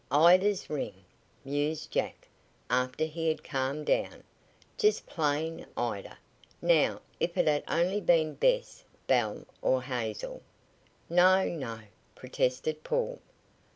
"Ida's ring," mused Jack, after he had calmed down. "Just plain Ida. Now if it had only been Bess, Belle or Hazel." "No, no!" protested Paul.